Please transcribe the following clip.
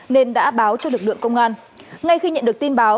nên đã báo cho lực lượng công an ngay khi nhận được tin báo